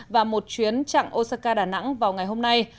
và một chuyến chặng osaka đà nẵng vào ngày hôm nay